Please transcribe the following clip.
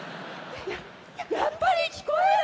やっぱり聞こえる！